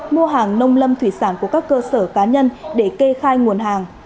mua hàng nông lâm thủy sản của các cơ sở cá nhân để kê khai nguồn hàng